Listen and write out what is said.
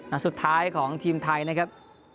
นัดสุดท้ายของทีมไทยนะครับ